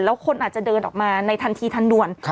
แล้วคนอาจจะเดินออกมาในทันทีทันด่วน